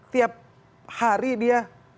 tiap hari dia